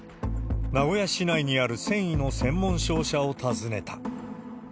名古屋市内にある繊維の専門商社を訪ねた。